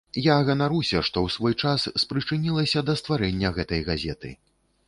Я ганаруся, што ў свой час спрычынілася да стварэння гэтай газеты.